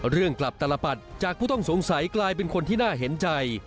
เรื่องกลับตลปัดจากผู้ต้องสงสัยกลายเป็นคนที่น่าเห็นใจ